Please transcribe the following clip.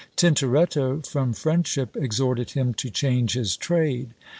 Tintoretto, from friendship, exhorted him to change his trade.